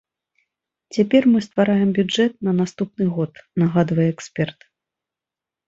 Цяпер мы ствараем бюджэт на наступны год, нагадвае эксперт.